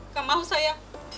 gak mausah ya